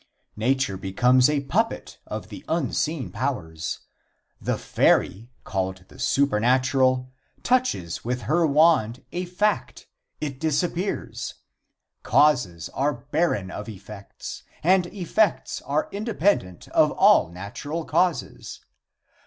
Nature becomes a puppet of the unseen powers. The fairy, called the supernatural, touches with her wand a fact, it disappears. Causes are barren of effects, and effects are independent of all natural causes.